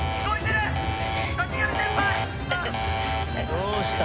どうした？